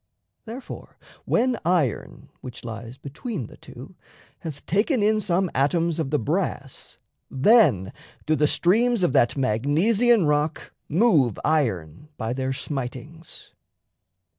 Therefore, when iron (which lies between the two) Hath taken in some atoms of the brass, Then do the streams of that Magnesian rock Move iron by their smitings.